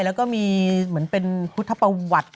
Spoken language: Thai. แล้วก็มีเหมือนเป็นกรุธปวัตร